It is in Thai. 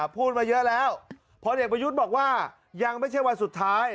พูดมาเยอะแล้วพลเอกประยุทธ์บอกว่ายังไม่ใช่วันสุดท้าย